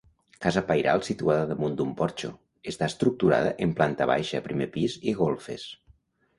Casa pairal situada damunt d'un porxo; està estructurada en planta baixa, primer pis i golfes.